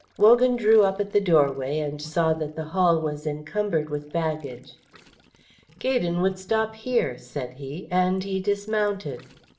Wogan drew up at the doorway and saw that the hall was encumbered with baggage. "Gaydon would stop here," said he, and he dismounted.